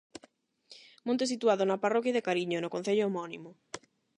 Monte situado na parroquia de Cariño, no concello homónimo.